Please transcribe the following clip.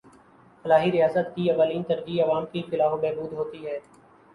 فلاحی ریاست کی اولین ترجیح عوام کی فلاح و بہبود ہوتی ہے